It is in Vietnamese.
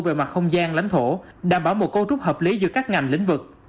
về mặt không gian lãnh thổ đảm bảo một cấu trúc hợp lý giữa các ngành lĩnh vực